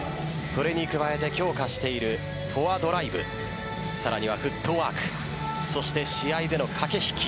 それに加えて強化しているフォアドライブさらには、フットワークそして試合での駆け引き。